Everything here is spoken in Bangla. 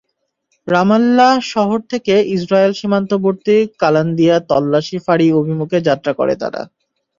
রামাল্লাহ শহর থেকে ইসরায়েল সীমান্তবর্তী কালান্দিয়া তল্লাশি ফাঁড়ি অভিমুখে যাত্রা করে তারা।